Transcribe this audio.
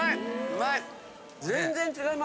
うまい！